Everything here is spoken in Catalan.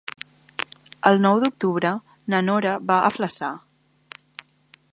El nou d'octubre na Nora va a Flaçà.